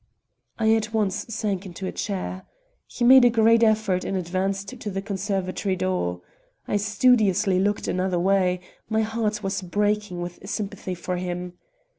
I at once sank into a chair. He made a great effort and advanced to the conservatory door. I studiously looked another way; my heart was breaking with sympathy for him.